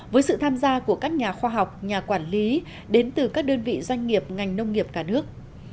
với sự tham gia của các nhà khoa học nhà quản lý đến từ các đơn vị doanh nghiệp ngành nông nghiệp cả nước